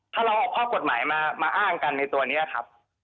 ถ้าเราออกข้อกฎหมายมาอ้างกันในตัวนี้ครับ